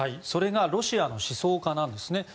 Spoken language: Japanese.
それがロシアの思想家なんですね。